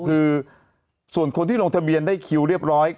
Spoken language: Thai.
คือส่วนคนที่ลงทะเบียนได้คิวเรียบร้อย